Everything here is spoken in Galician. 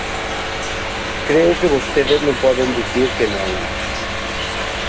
Creo que vostedes non poden dicir que non.